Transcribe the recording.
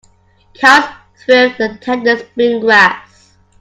Calves thrive on tender spring grass.